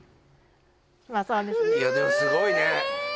いやでもすごいねえ